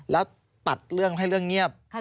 แล้วปัดให้เรื่องเงียบ